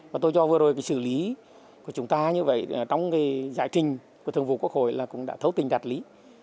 mà tôi cho vừa rồi cái xử lý của chúng ta như vậy trong cái giải trình của thường vụ quốc hội là cũng đã thấu tình đạt lý